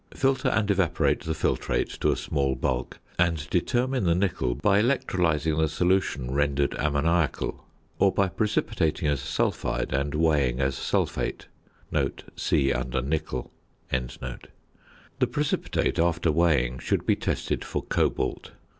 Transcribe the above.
Filter and evaporate the filtrate to a small bulk, and determine the nickel by electrolysing the solution rendered ammoniacal, or by precipitating as sulphide and weighing as sulphate. (See under Nickel.) The precipitate, after weighing, should be tested for cobalt.